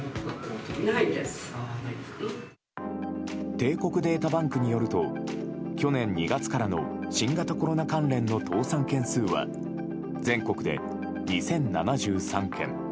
帝国データバンクによると去年２月からの新型コロナ関連の倒産件数は全国で２０７３件。